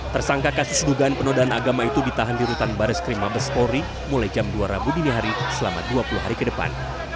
tersangka kasus dugaan penodaan agama itu ditahan di rutan baris krim mabes polri mulai jam dua rabu dini hari selama dua puluh hari ke depan